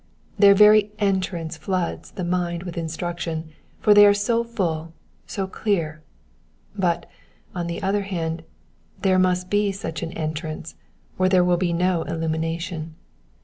Their very entrance floods the mind with instruction, for they are so full, so clear ; but, on the other hand, there must be such an '* entrance," or there will be no illumination.